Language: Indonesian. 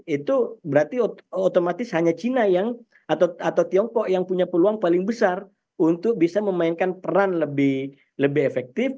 itu berarti otomatis hanya china yang atau tiongkok yang punya peluang paling besar untuk bisa memainkan peran lebih efektif